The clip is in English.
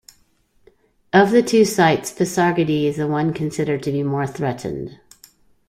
Of the two sites, Pasargadae is the one considered to be more threatened.